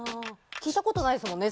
聞いたことないですもんね